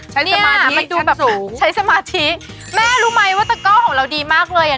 ใช้สมาธิใช้สมาธิแม่รู้ไหมว่าตะเกาะของเราดีมากเลยอ่ะ